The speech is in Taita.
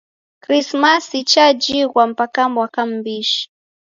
Krismasi chajighwa mpaka mwaka m'mbishi.